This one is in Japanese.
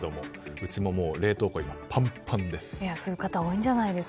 うちも冷凍庫、今はパンパンです。